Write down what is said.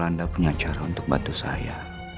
ada cara untuk bantu saya